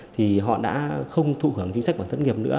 thì họ đã không thụ hưởng chính sách bảo hiểm thất nghiệp nữa